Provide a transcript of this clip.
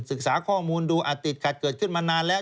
ศึกษาข้อมูลดูอาจติดขัดเกิดขึ้นมานานแล้ว